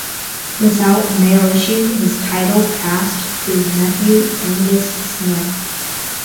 Without male issue, his title passed to his nephew, Angus Smith.